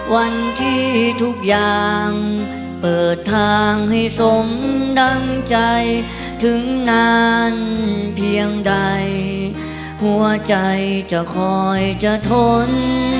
วันที่ทุกอย่างเปิดทางให้สมดังใจถึงนานเพียงใดหัวใจจะคอยจะทน